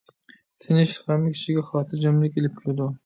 تىنچلىق ھەممە كىشىگە خاتىرجەملىك ئىلىپ كېلىدۇ.